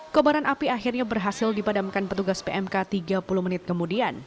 kobaran api akhirnya berhasil dipadamkan petugas pmk tiga puluh menit kemudian